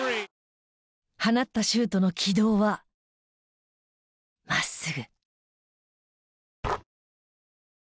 放ったシュートの軌道は真っすぐ。